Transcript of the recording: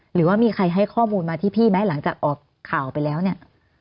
หรือว่ามีใครให้ข้อมูลมาที่พี่ไหมหลังจากออกข่าวไปแล้วเนี่ย